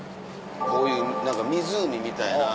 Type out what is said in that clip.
こういう何か湖みたいな。